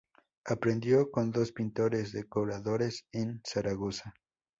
Aprendió con dos pintores decoradores en Zaragoza.